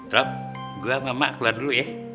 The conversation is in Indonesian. ram gue sama mak keluar dulu ya